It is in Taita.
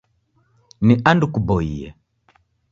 Ni andu kuboie.